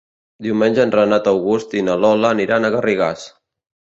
Diumenge en Renat August i na Lola aniran a Garrigàs.